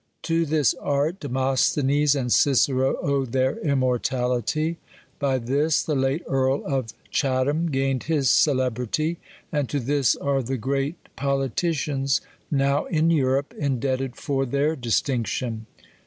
To this art, Demosthenes and Cicero owe their immortality; by this, the tate earl of Chat ham gained his celebrity ; and to this, are the great pol iticians, now in Europe, indebted for their distinction.